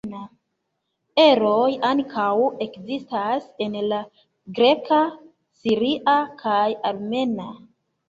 Eroj ankaŭ ekzistas en la greka, siria kaj armena.